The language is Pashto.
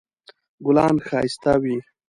ګلان ښایسته وي